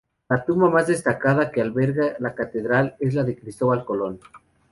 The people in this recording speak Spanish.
La tumba más destacada que alberga la catedral es la de Cristóbal Colón.